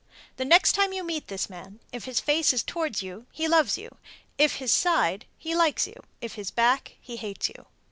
The next time you meet this man, if his face is toward you, he loves you; if his side, he likes you; if his back, he hates you.